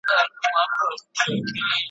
زه د تقریباً شپېتو کالو راهیسي شعر لیکم `